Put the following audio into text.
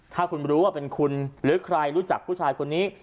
ถ้าคุณรู้ว่าเป็นคุณหรือใครรู้จักผู้ชายคนนี้